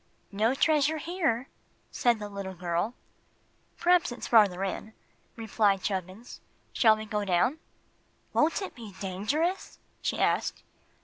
"No treasure here," said the little girl. "P'raps it's farther in," replied Chubbins. "Shall we go down?" "Won't it be dangerous?" she asked.